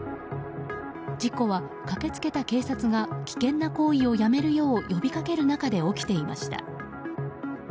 事故は駆け付けた警察が危険な行為をやめるよう呼びかける中で起きていました。